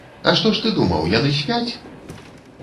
А што ж ты думаў, яны спяць?